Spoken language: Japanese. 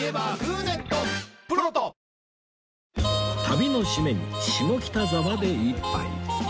旅の締めに下北沢で一杯